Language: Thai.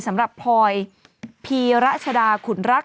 สำหรับพลอยพีรัชดาขุนรัก